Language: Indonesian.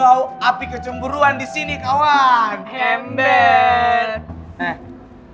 ya wajar dong kalo gue cemburu sama pacar gue sendiri